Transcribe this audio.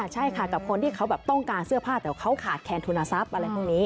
ใช่ค่ะกับคนที่เขาแบบต้องการเสื้อผ้าแต่เขาขาดแคนทุนทรัพย์อะไรพวกนี้